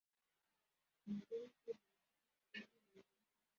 Umuntu uri kuri gare